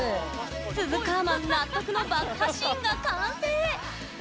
スズカーマン納得の爆破シーンが完成。